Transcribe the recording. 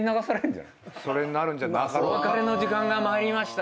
お別れの時間がまいりました。